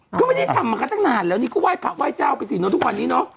เขาไม่ได้ทำมากันตั้งหน่าแล้วนี่ก็ไหว้ผักไหว้เจ้าไปสิเนอะเพราะวันนี้เนอะ